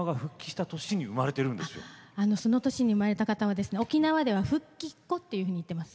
その年に生まれた方は沖縄では復帰っ子っていうふうに言っています。